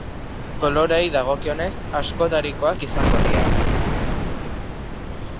Koloreei dagokienez, askotarikoak izango dira.